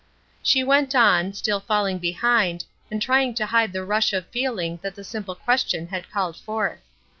She went on, still falling behind, and trying to hide the rush of feeling that the simple question had called forth.